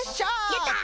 やった！